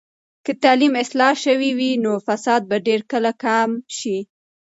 که تعلیم اصلاح شوي وي، نو فساد به ډیر کله کم شي.